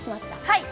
はい！